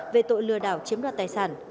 về tội lừa đảo chiếm đoạt tài sản